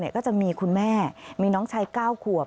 ก็จะมีคุณแม่มีน้องชาย๙ขวบ